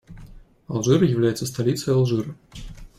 Алжир является столицей Алжира.